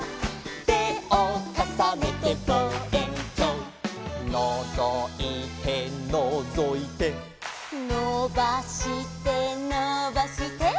「てをかさねてぼうえんきょう」「のぞいてのぞいて」「のばしてのばして」